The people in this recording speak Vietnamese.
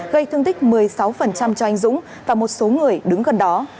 gây thương tích một mươi sáu cho anh dũng và một số người đứng gần đó